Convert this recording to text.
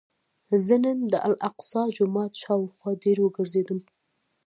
زه نن د الاقصی جومات شاوخوا ډېر وګرځېدم.